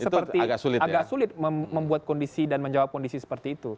betul dan itu kan agak sulit membuat kondisi dan menjawab kondisi seperti itu